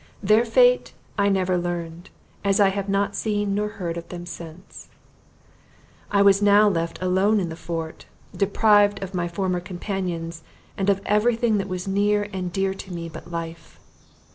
Their fate I never learned; as I have not seen nor heard of them since. I was now left alone in the fort, deprived of my former companions, and of every thing that was near or dear to me but life.